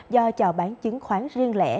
do chào bán chứng khoán riêng lẻ